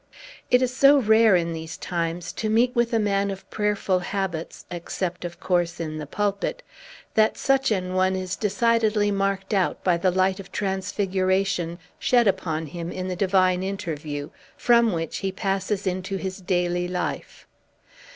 It is so rare, in these times, to meet with a man of prayerful habits (except, of course, in the pulpit), that such an one is decidedly marked out by the light of transfiguration, shed upon him in the divine interview from which he passes into his daily life.